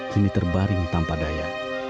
kini terbaring tanpa daya